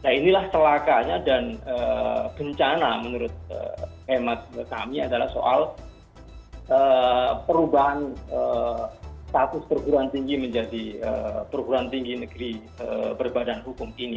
nah inilah celakanya dan bencana menurut hemat kami adalah soal perubahan status perguruan tinggi menjadi perguruan tinggi negeri berbadan hukum ini